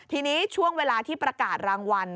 ทีนี้ช่วงเวลาที่ประกาศรางวัล